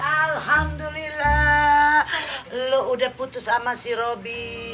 alhamdulillah lu udah putus sama si robby